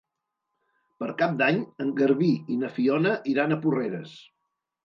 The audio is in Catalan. Per Cap d'Any en Garbí i na Fiona iran a Porreres.